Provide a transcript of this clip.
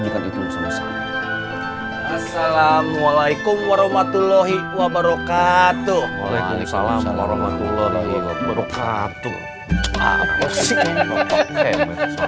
tuh kan tuh kan suka seudah sama saya kan